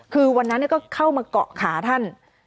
คือวันนั้นก็เข้ามาเกาะขาท่าน